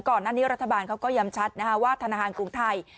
ก่อนหน้านี้รัฐบาลเขาก็ย้ำชัดว่าธนาคารกรุงไทย